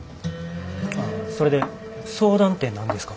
ああそれで相談て何ですか？